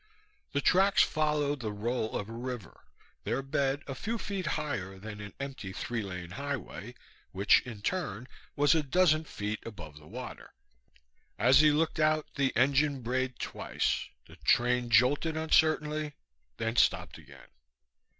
The tracks followed the roll of a river, their bed a few feet higher than an empty three lane highway, which in turn was a dozen feet above the water. As he looked out the engine brayed twice. The train jolted uncertainly, then stopped again.